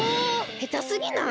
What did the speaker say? へたすぎない？